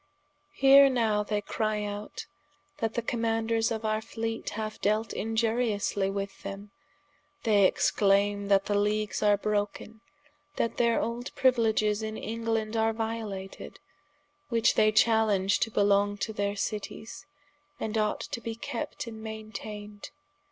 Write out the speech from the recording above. Here now they cry out, that the Commaunders of our Fleete haue delt iniuriously with them, they exclaime that the leagues are broken, that their old priuiledges in England are violated, which they chalenge to belong to their Cities, and ought to be kept and mainteined.